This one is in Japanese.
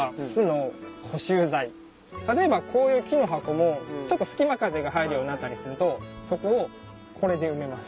例えばこういう木の箱もちょっと隙間風が入るようになったりするとそこをこれで埋めます。